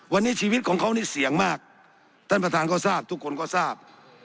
วันนี้ชีวิตของเขานี่เสี่ยงมากท่านประธานก็ทราบทุกคนก็ทราบ